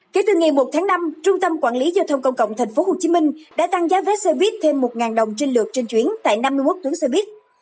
kể từ ngày một tháng năm trung tâm quản lý giao thông công cộng tp hcm đã tăng giá vé xe buýt thêm một đồng trên lượt trên chuyến tại năm mươi một tuyến xe buýt